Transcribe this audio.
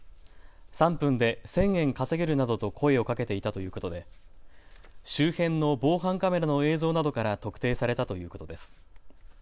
３分で１０００円稼げるなどと声をかけていたということで周辺の防犯カメラの映像などから特定されたということです。